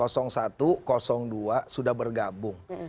satu dua sudah bergabung